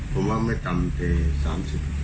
ก็ผมว่าไม่ต่ำกว่า๓๐